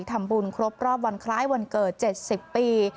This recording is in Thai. ทำบุญครบรอบวันคล้ายวันเกิด๗๐ปี